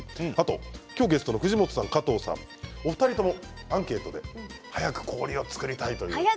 今日ゲストの藤本さん加藤さんお二人ともアンケートで早く氷を作りたい！と。